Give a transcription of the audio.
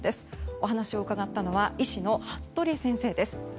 お話を伺ったのは医師の服部先生です。